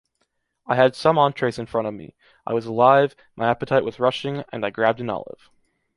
I had some entrees in front of me, I was alive, my appetite was rushing, and I grabbed an olive.